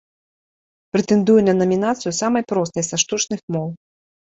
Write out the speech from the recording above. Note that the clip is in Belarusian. Прэтэндуе на намінацыю самай простай са штучных моў.